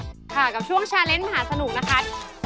ค่ะกับช่วงชาเลนส์มหาสนุกนะคะ